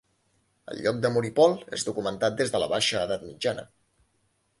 El lloc de Moripol és documentat des de la baixa edat mitjana.